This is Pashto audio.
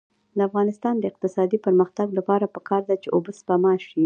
د افغانستان د اقتصادي پرمختګ لپاره پکار ده چې اوبه سپما شي.